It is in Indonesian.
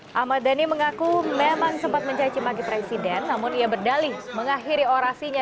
hai ahmad dhani mengaku memang sempat mencaci magi presiden namun ia berdali mengakhiri orasinya